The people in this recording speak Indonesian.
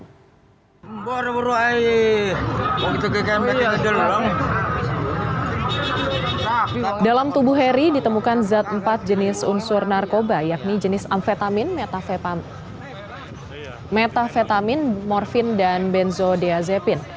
dalam tubuh heri ditemukan zat empat jenis unsur narkoba yakni jenis amfetamin metafe metafetamin morfin dan benzodiazepin